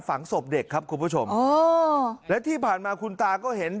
ฝังศพเด็กครับคุณผู้ชมอ๋อและที่ผ่านมาคุณตาก็เห็น